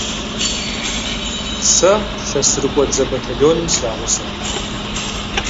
Сэ лъэсырыкӀуэдзэ батальоным срагъусэт.